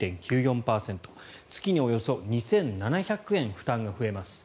月におよそ２７００円負担が増えます。